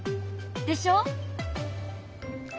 でしょ！